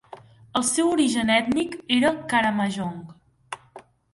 El seu origen ètnic era Karamojong.